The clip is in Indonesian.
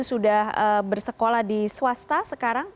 sudah bersekolah di swasta sekarang